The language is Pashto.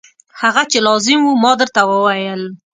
هغه چې لازم و ما درته وویل.